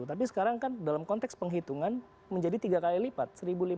tapi sekarang kan dalam konteks penghitungan menjadi tiga kali lipat seribu lima ratus